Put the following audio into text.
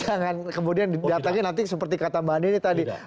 jangan kemudian datangi nanti seperti kata mbak ani tadi